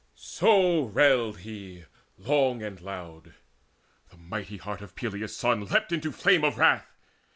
So railed he long and loud: the mighty heart Of Peleus' son leapt into flame of wrath.